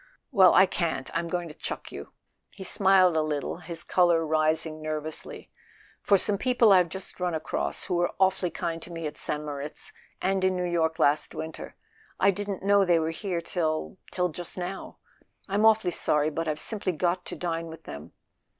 "Well—I can't. I'm going to chuck you." He smiled a little, his colour rising nervously. "For some people I've just run across—who were awfully kind to me at St. Moritz—and in New York last winter. I didn't know they were here till. .. till just now. I'm awfully sorry; but I've simply got to dine with them."